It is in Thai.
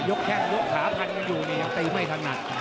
แข้งยกขาพันกันอยู่เนี่ยยังตีไม่ถนัด